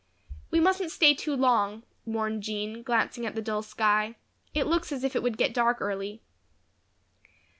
"We mustn't stay too long," warned Jean, glancing at the dull sky. "It looks as if it would get dark early."